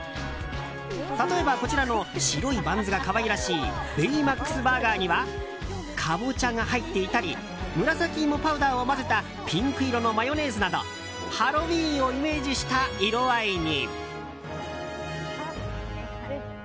例えば、こちらの白いバンズが可愛らしいベイマックス・バーガーにはカボチャが入っていたり紫芋パウダーを混ぜたピンク色のマヨネーズなどハロウィーンをイメージした色合いに。